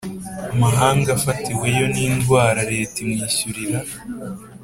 Mahanga afatiweyo n indwara leta imwishyurira